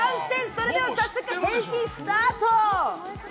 それでは早速、変身スタート！